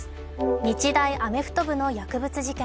日大アメフト部の薬物事件。